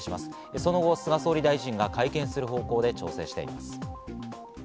その後、菅総理大臣が会見する方向で調整しています。